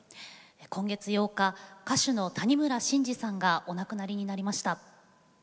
今月８日歌手の谷村新司さんがお亡くなりになりました。